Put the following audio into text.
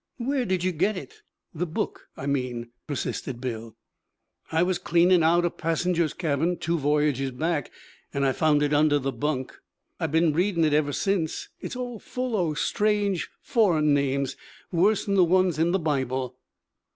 'Where did you get it? the book, I mean,' persisted Bill. 'I was cleanin' out a passenger's cabin, two voyages back, an' I found it under the bunk. I've been readin' it ever since. It's all full o' strange, forrin names, worse 'n the ones in the Bible.'